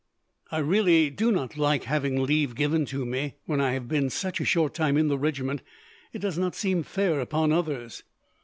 "I really do not like having leave given to me, when I have been such a short time in the regiment. It does not seem fair upon others."